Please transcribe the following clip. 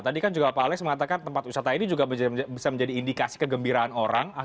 tadi kan juga pak alex mengatakan tempat wisata ini juga bisa menjadi indikasi kegembiraan orang